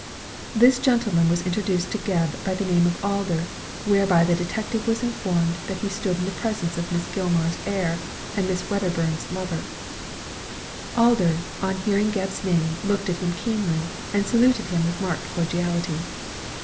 This gentleman was introduced to Gebb by the name of Alder ; whereby the detective was informed that he stood in the presence of Miss Gilmar's heir and Miss Wedderbum's lover. Alder on hearing Gebb's name looked at him keenly, and saluted him with marked cordiality.